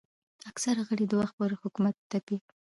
اکثره غړي د وخت پر حکومت تپي